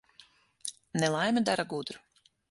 Nelaime dara gudru.